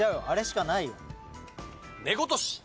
あれしかないよ。